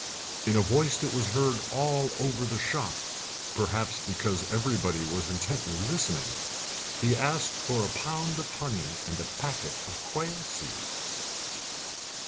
In a voice that was heard all over the shop, perhaps because everybody was intently listening, he asked for a pound of honey and a packet of quail seed.